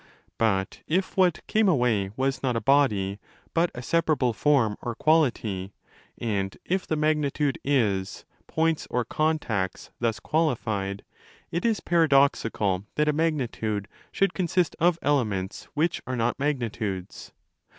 But if what 'came away' was not a body but a separable form or quality, and if the magnitude zs ' points or contacts thus qualified': it is paradoxical that a magnitude should consist of elements which are not magnitudes.